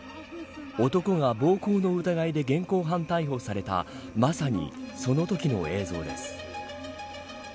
男が暴行の疑いで現行犯逮捕されたまさに、そのときの映像です。